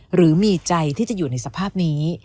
หรือมีใจที่จะอยู่ในสภาพนี้